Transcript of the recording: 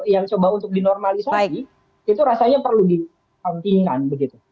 yang coba untuk dinormalisasi itu rasanya perlu ditampingkan begitu